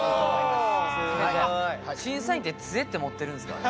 すごい。審査員ってつえって持ってるんすか？